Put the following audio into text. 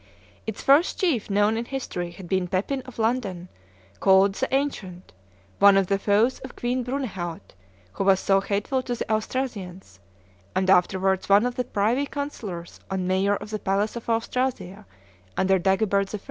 Its first chief known in history had been Pepin of Landen, called The Ancient, one of the foes of Queen Brunehaut, who was so hateful to the Austrasians, and afterwards one of the privy councillors and mayor of the palace of Austrasia, under Dagobert I.